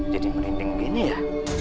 jadi merinding begini ya